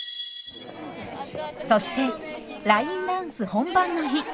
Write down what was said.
そしてラインダンス本番の日。